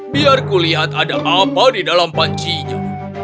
biar kulihat ada apa di dalam pancinya